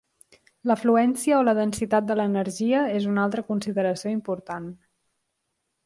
La fluència o la densitat de l'energia és una altra consideració important.